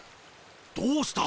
どうした？